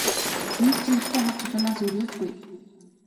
Түүнд чинь хатуу хад чулуунаас өөр юу ч үгүй.